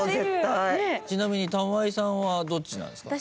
ちなみに玉井さんはどっちなんですか？